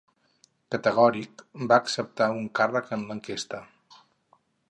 Categòric, va acceptar un càrrec en la Enquesta.